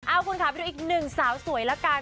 เอาคุณค่ะไปดูอีกหนึ่งสาวสวยละกัน